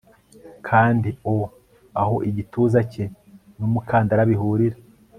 Kandi O aho igituza cye numukandara bihurira